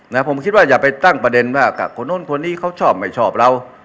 นะผมคิดว่าอย่าไปตั้งประเด็นว่ากับคนนู้นคนนี้เขาชอบไม่ชอบเรา